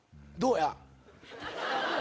どうや？